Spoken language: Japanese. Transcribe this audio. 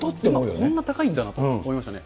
こんな高いんだって思いましたね。